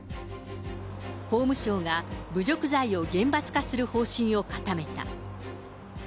法務省が侮辱罪を厳罰化する方針を固めた。